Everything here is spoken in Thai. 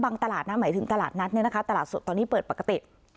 ตลาดนะหมายถึงตลาดนัดเนี่ยนะคะตลาดสดตอนนี้เปิดปกติ